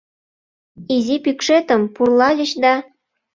Изи пӱкшетым пурлальыч да